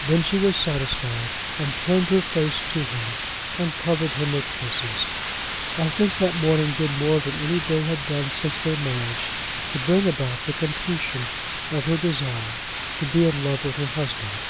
Then she was satisfied and turned her face to him and covered him with kisses. I think that morning did more than any day had done since their marriage to bring about the completion of her desire to be in love with her husband.